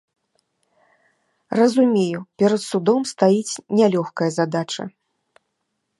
Разумею, перад судом стаіць нялёгкая задача.